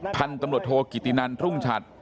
พันธุ์ตำรวจโทกิตินันรุ่งฉัด